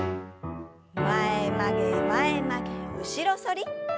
前曲げ前曲げ後ろ反り。